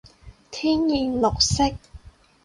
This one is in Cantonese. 天然綠色